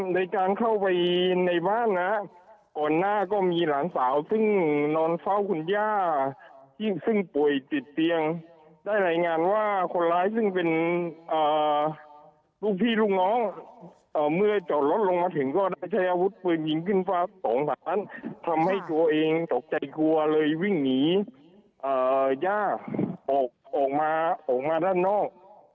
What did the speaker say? ในการเข้าไปในบ้านนะก่อนหน้าก็มีหลานสาวซึ่งนอนเฝ้าคุณย่าซึ่งป่วยติดเตียงได้รายงานว่าคนร้ายซึ่งเป็นลูกพี่ลูกน้องเมื่อจอดรถลงมาถึงก็ได้ใช้อาวุธปืนยิงขึ้นฟ้าสองร้านทำให้ตัวเองตกใจกลัวเลยวิ่งหนีย่าออกมาออกมาด้านนอก